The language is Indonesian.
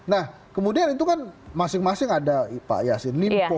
nah kemudian itu kan masing masing ada pak yassin limpo